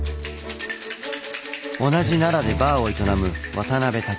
同じ奈良でバーを営む渡邉匠さん。